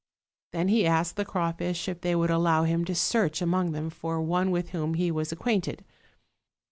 Then he asked the crawfish if they would allow him to search among them for one with whom he was ac quainted.